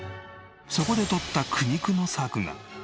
そこでとった苦肉の策が。